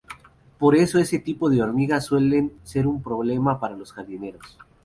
Por eso este tipo de hormigas suelen ser un problema para los jardineros.